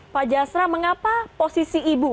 pak jasra mengapa posisi ibu